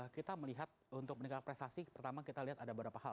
kita melihat untuk meningkatkan prestasi pertama kita lihat ada beberapa hal